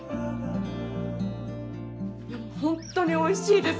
本当においしいです。